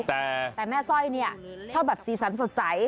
แต่แม่สร้อยเนี่ยชอบแบบสีสันสดใส